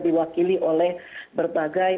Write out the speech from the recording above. diwakili oleh berbagai